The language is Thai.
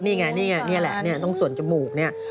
นี่ไงนี่แหละต้องสวนจมูกนี่